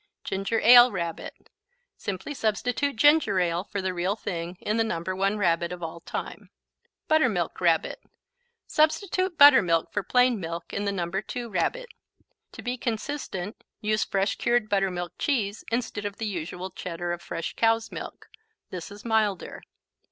Ginger Ale Rabbit Simply substitute ginger ale for the real thing in the No. 1 Rabbit of all time. Buttermilk Rabbit Substitute buttermilk for plain milk in the No. 2 Rabbit. To be consistent, use fresh cured Buttermilk Cheese, instead of the usual Cheddar of fresh cow's milk. This is milder.